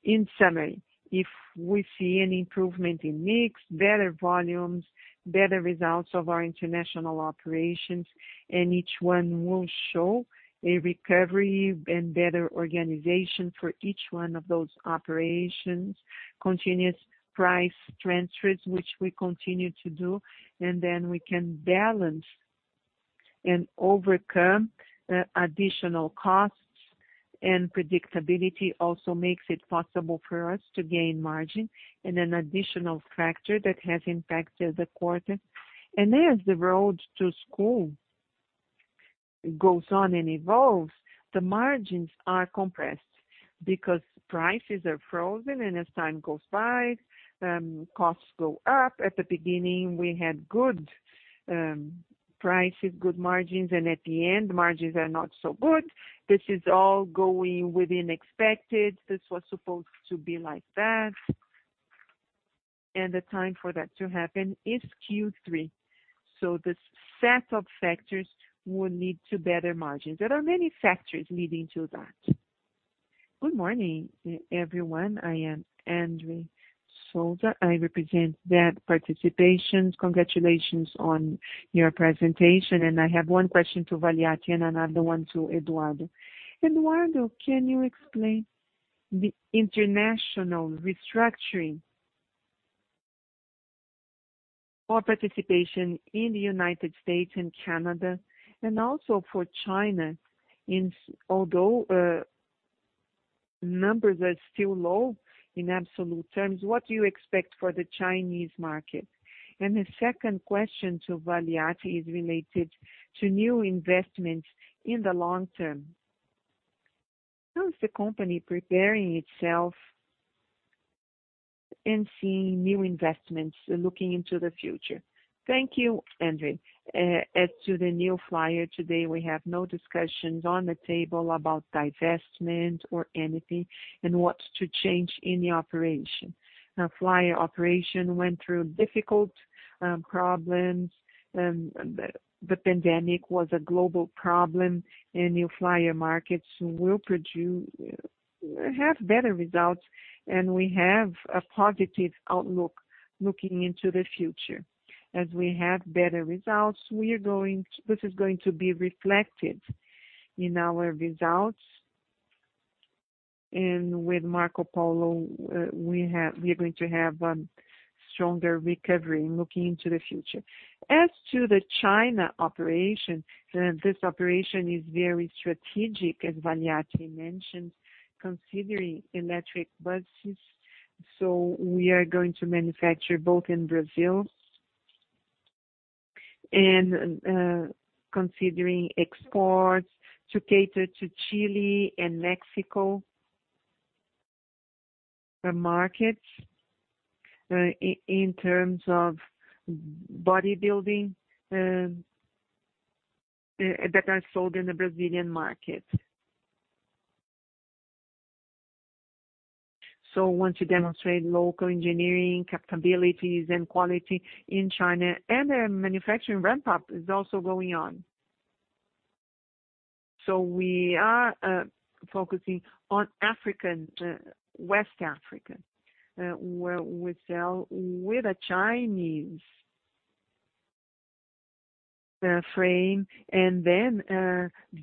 Speaker 3: In summary, if we see an improvement in mix, better volumes, better results of our international operations, and each one will show a recovery and better organization for each one of those operations, continuous price transfers, which we continue to do, and then we can balance and overcome additional costs. Predictability also makes it possible for us to gain margin. An additional factor that has impacted the quarter. As the road to school goes on and evolves, the margins are compressed because prices are frozen, and as time goes by, costs go up. At the beginning, we had good prices, good margins, and at the end, margins are not so good. This is all going within expected. This was supposed to be like that. The time for that to happen is Q3. This set of factors will lead to better margins. There are many factors leading to that.
Speaker 7: Good morning everyone. I am André. I represent that participation. Congratulations on your presentation, and I have one question to José Antonio Valiati and another one to Eduardo Willrich. Eduardo Willrich, can you explain the international restructuring for participation in the United States and Canada, and also for China, although numbers are still low in absolute terms, what do you expect for the Chinese market? The second question to Valiati is related to new investments in the long term. How is the company preparing itself and seeing new investments looking into the future?
Speaker 3: Thank you André. As to the New Flyer, today we have no discussions on the table about divestment or anything and what to change in the operation. Now, New Flyer operation went through difficult problems, and the pandemic was a global problem, and New Flyer markets will have better results, and we have a positive outlook looking into the future. As we have better results, this is going to be reflected in our results. With Marcopolo, we are going to have stronger recovery looking into the future. As to the China operation, this operation is very strategic, as Valiati mentioned, considering electric buses. We are going to manufacture both in Brazil. Considering exports to cater to Chile and Mexico, the markets, in terms of body building, that are sold in the Brazilian market. Want to demonstrate local engineering capabilities and quality in China, and a manufacturing ramp-up is also going on. We are focusing on West African, where we sell with a Chinese frame and then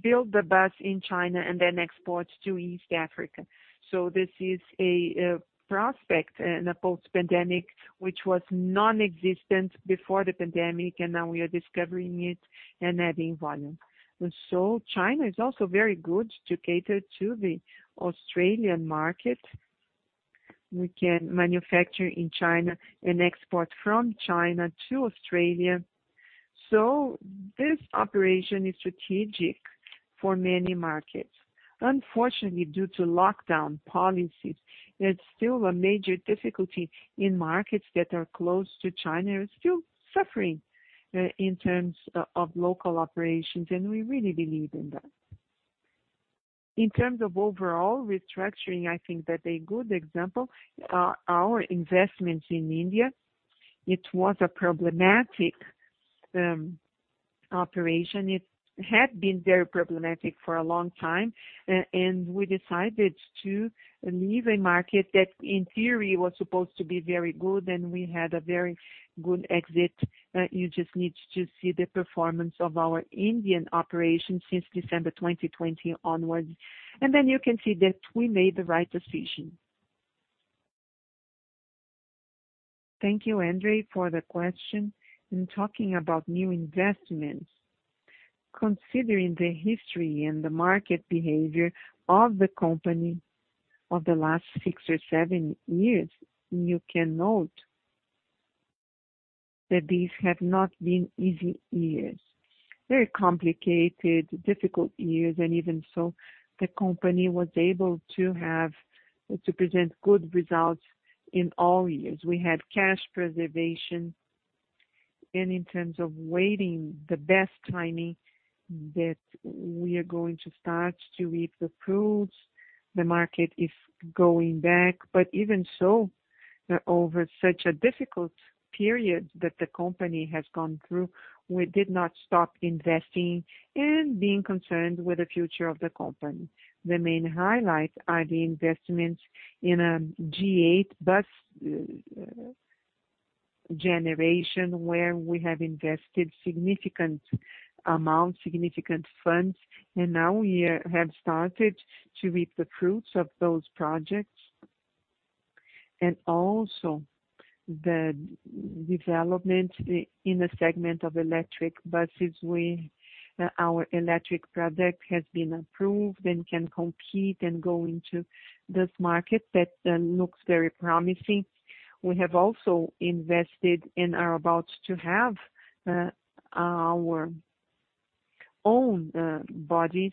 Speaker 3: build the bus in China and then export to East Africa. This is a prospect in a post-pandemic, which was nonexistent before the pandemic, and now we are discovering it and adding volume. China is also very good to cater to the Australian market. We can manufacture in China and export from China to Australia. This operation is strategic for many markets. Unfortunately, due to lockdown policies, there's still a major difficulty in markets that are close to China. Are still suffering in terms of local operations, and we really believe in that. In terms of overall restructuring, I think that a good example are our investments in India. It was a problematic operation. It had been very problematic for a long time. We decided to leave a market that in theory was supposed to be very good and we had a very good exit. You just need to see the performance of our Indian operation since December 2020 onwards, and then you can see that we made the right decision.
Speaker 4: Thank you, André, for the question. In talking about new investments, considering the history and the market behavior of the company of the last six or seven years, you can note that these have not been easy years. Very complicated, difficult years, and even so, the company was able to to present good results in all years. We had cash preservation. In terms of waiting, the best timing that we are going to start to reap the fruits, the market is going back. Even so, over such a difficult period that the company has gone through, we did not stop investing and being concerned with the future of the company. The main highlights are the investments in G8 bus generation, where we have invested significant funds, and now we have started to reap the fruits of those projects. Also the development in the segment of electric buses. Our electric product has been approved and can compete and go into this market that looks very promising. We have also invested and are about to have our own bodies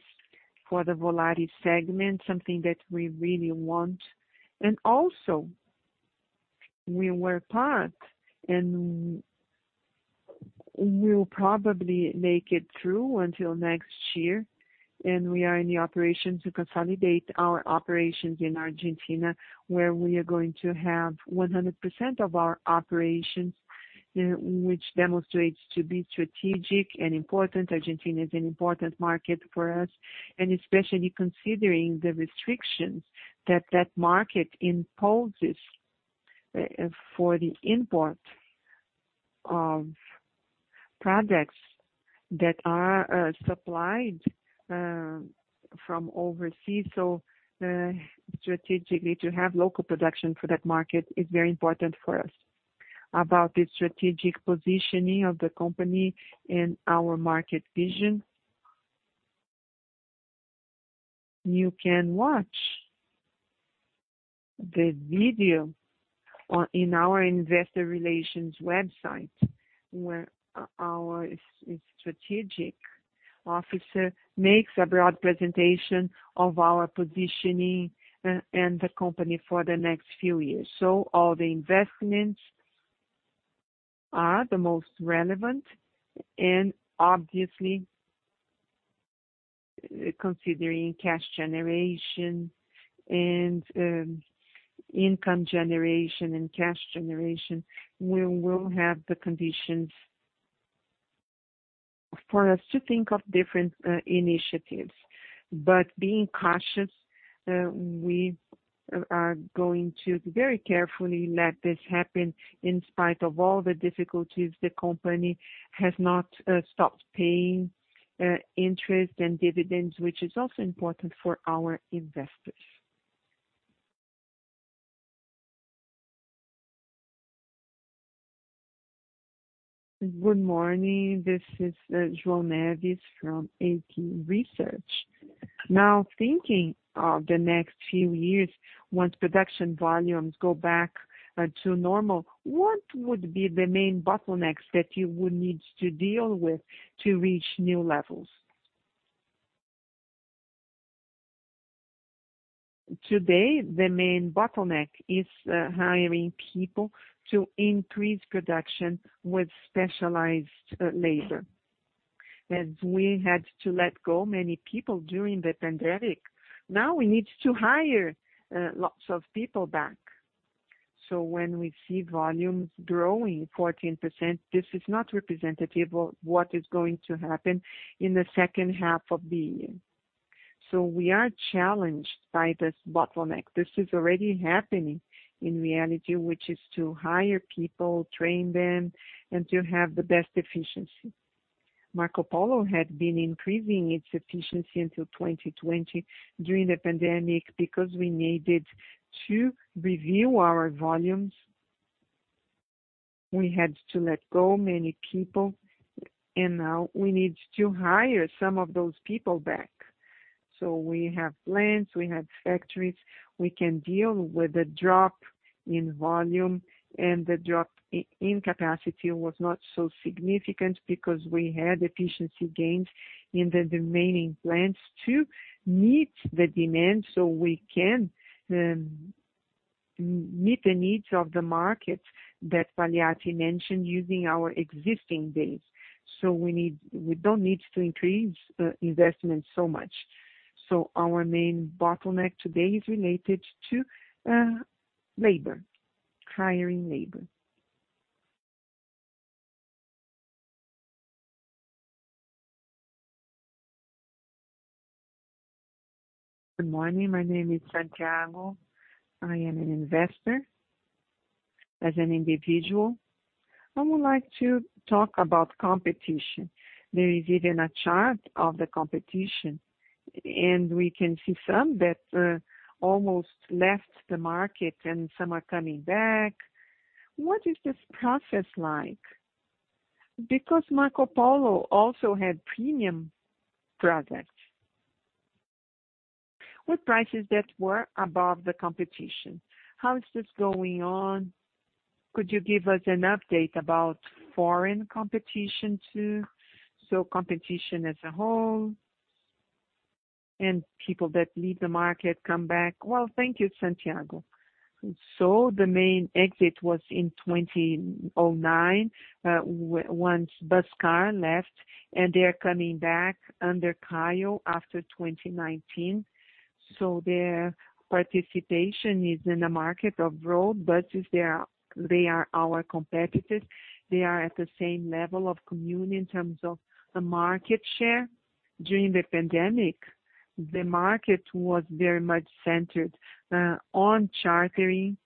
Speaker 4: for the Volare segment, something that we really want. Also, we were part and we'll probably make it through until next year. We are in the operation to consolidate our operations in Argentina, where we are going to have 100% of our operations, which demonstrates to be strategic and important. Argentina is an important market for us. Especially considering the restrictions that market imposes for the import of products that are supplied from overseas. Strategically, to have local production for that market is very important for us. About the strategic positioning of the company and our market vision. You can watch the video in our investor relations website, where our strategic officer makes a broad presentation of our positioning and the company for the next few years. All the investments are the most relevant and obviously, considering cash generation and income generation and cash generation, we will have the conditions for us to think of different initiatives. Being cautious, we are going to very carefully let this happen. In spite of all the difficulties, the company has not stopped paying interest and dividends, which is also important for our investors.
Speaker 8: Good morning. This is João Neves from Ativa Research. Now, thinking of the next few years, once production volumes go back to normal, what would be the main bottlenecks that you would need to deal with to reach new levels?
Speaker 3: Today, the main bottleneck is hiring people to increase production with specialized labor. As we had to let go many people during the pandemic, now we need to hire lots of people back. When we see volumes growing 14%, this is not representative of what is going to happen in the second half of the year. We are challenged by this bottleneck. This is already happening in reality, which is to hire people, train them, and to have the best efficiency. Marcopolo had been increasing its efficiency until 2020 during the pandemic because we needed to review our volumes. We had to let go many people, and now we need to hire some of those people back. We have plants, we have factories. We can deal with the drop in volume. The drop in capacity was not so significant because we had efficiency gains in the remaining plants to meet the demand. We can meet the needs of the market that Valiati mentioned using our existing base. We don't need to increase investments so much. Our main bottleneck today is related to labor, hiring labor. Good morning. My name is Santiago. I am an investor.
Speaker 9: As an individual, I would like to talk about competition. There is even a chart of the competition, and we can see some that almost left the market and some are coming back. What is this process like? Because Marcopolo also had premium products with prices that were above the competition. How is this going on? Could you give us an update about foreign competition too? Competition as a whole and people that leave the market come back.
Speaker 3: Well, thank you, Santiago. The main exit was in 2009, when Busscar left, and they are coming back under Caio after 2019. Their participation is in the market of road buses. They are our competitors. They are at the same level of Comil in terms of the market share. During the pandemic, the market was very much centered on chartering.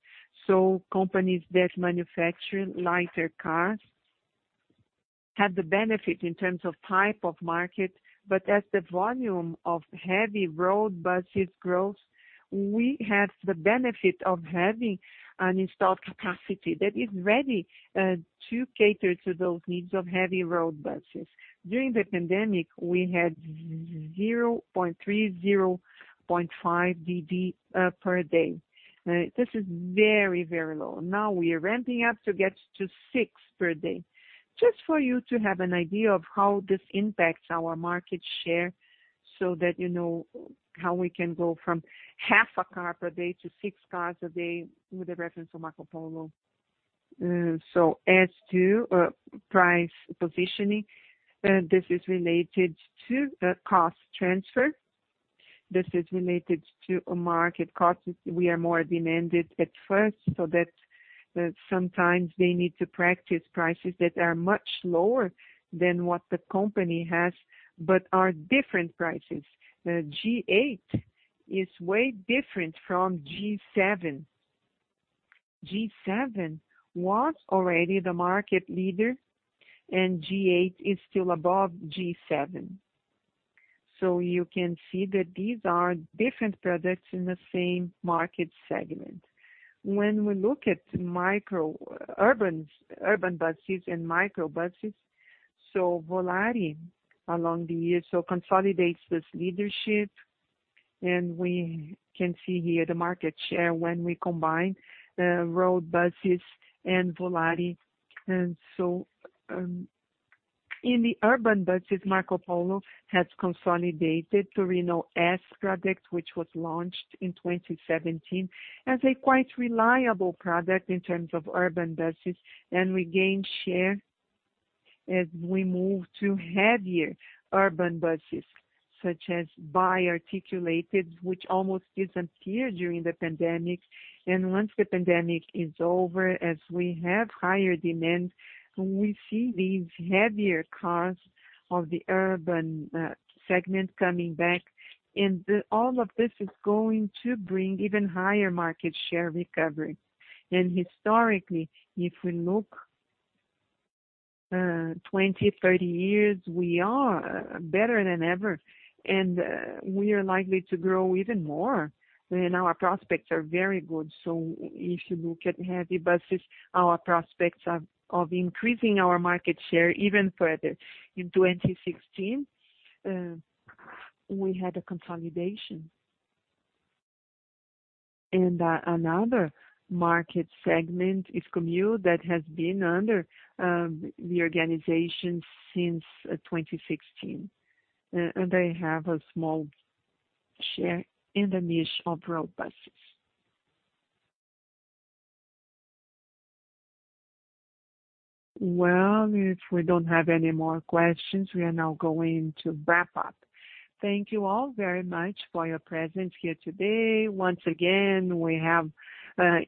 Speaker 3: Companies that manufacture lighter cars had the benefit in terms of type of market. As the volume of heavy road buses grows, we have the benefit of having an installed capacity that is ready, to cater to those needs of heavy road buses. During the pandemic, we had 0.3, 0.5 DD per day. This is very, very low. Now we are ramping up to get to 6 per day. Just for you to have an idea of how this impacts our market share so that you know how we can go from half a car per day to 6 cars a day with the reference to Marcopolo. Price positioning, this is related to the cost transfer. This is related to market costs. We are more demanded at first so that, sometimes they need to practice prices that are much lower than what the company has but are different prices. The G8 is way different from G7. G7 was already the market leader, and G8 is still above G7. You can see that these are different products in the same market segment. When we look at urban buses and micro buses, Volare along the years consolidates this leadership. We can see here the market share when we combine road buses and Volare. In the urban buses, Marcopolo has consolidated Torino S product, which was launched in 2017, as a quite reliable product in terms of urban buses, and we gain share as we move to heavier urban buses, such as bi-articulated, which almost disappeared during the pandemic. Once the pandemic is over, as we have higher demand, we see these heavier cars of the urban segment coming back. All of this is going to bring even higher market share recovery. Historically, if we look 20, 30 years, we are better than ever, and we are likely to grow even more, and our prospects are very good. If you look at heavy buses, our prospects are of increasing our market share even further. In 2016, we had a consolidation. Another market segment is Comil that has been under reorganization since 2016. They have a small share in the niche of road buses.
Speaker 2: Well, if we don't have any more questions, we are now going to wrap up. Thank you all very much for your presence here today. Once again, we have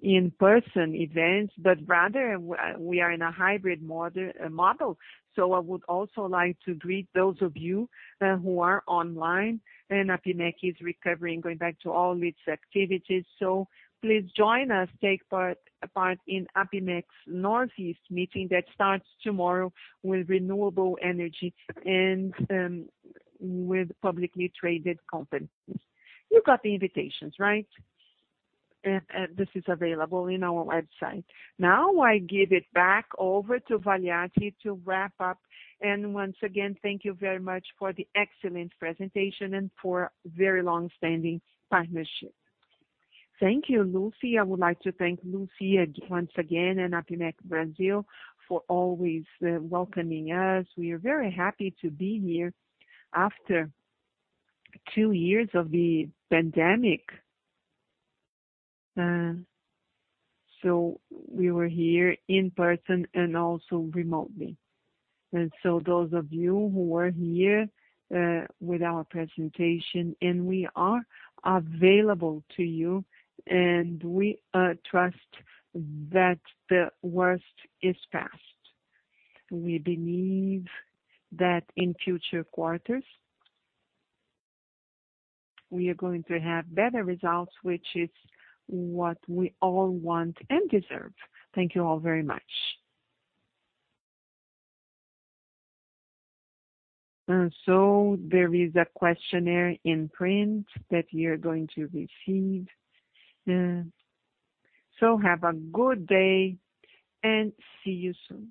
Speaker 2: in-person events, but rather we are in a hybrid model. I would also like to greet those of you who are online, and APIMEC is recovering, going back to all its activities. Please join us, take part in APIMEC's Northeast meeting that starts tomorrow with renewable energy and with publicly traded companies. You got the invitations, right? This is available in our website. Now, I give it back over to Valiati to wrap up. Once again, thank you very much for the excellent presentation and for very long-standing partnership.
Speaker 3: Thank you Lucy. I would like to thank Lucy once again and APIMEC Brasil for always welcoming us. We are very happy to be here after two years of the pandemic. We were here in person and also remotely. Those of you who were here with our presentation, and we are available to you, and we trust that the worst is past. We believe that in future quarters, we are going to have better results, which is what we all want and deserve. Thank you all very much. There is a questionnaire in print that you're going to receive. Have a good day, and see you soon.